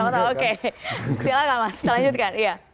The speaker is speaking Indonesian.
silahkan mas selanjutkan